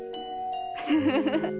フフフフッ。